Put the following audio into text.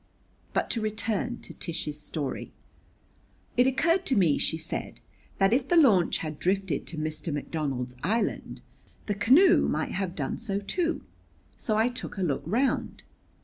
But to return to Tish's story: "It occurred to me," she said, "that, if the launch had drifted to Mr. McDonald's island, the canoe might have done so too; so I took a look round.